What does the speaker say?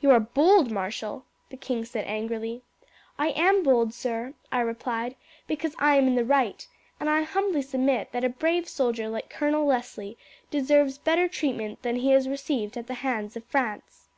"You are bold, marshal," the king said angrily. "I am bold, sire," I replied, "because I am in the right: and I humbly submit that a brave soldier like Colonel Leslie deserves better treatment than he has received at the hands of France."